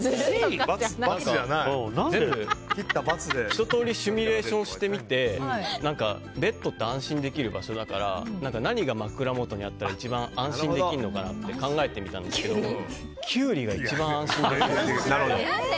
ひととおりシミュレーションしてみてベッドって安心できる場所だから何が枕元にあったら一番安心できるのか考えてみたんですけどキュウリが一番安心できると。